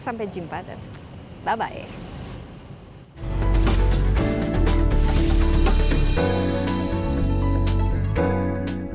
sampai jumpa dan bye bye